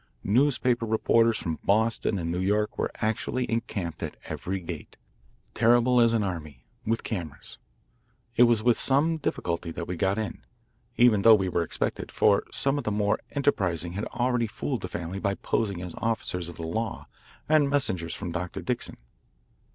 Newspaper reporters from Boston and New York were actually encamped at every gate, terrible as an army, with cameras. It was with some difficulty that we got in, even though we were expected, for some of the more enterprising had already fooled the family by posing as officers of the law and messengers from Dr. Dixon.